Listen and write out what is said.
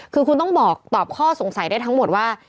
คือคุณต้องบอกตอบข้อสงสัยได้ทั้งหมดว่า